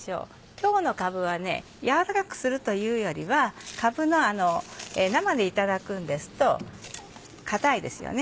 今日のかぶは軟らかくするというよりはかぶ生でいただくんですと硬いですよね。